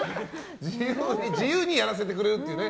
自由にやらせてくれるというね。